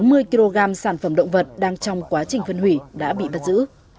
ngày bảy tháng bốn tám trăm bốn mươi kg sản phẩm động vật đang trong quá trình phân hủy đã bị bắt giữ